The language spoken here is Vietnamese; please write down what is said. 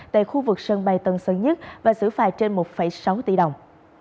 tại khu vực sân bay tân sơn nhất và xử phạt trên một sáu tỷ đồng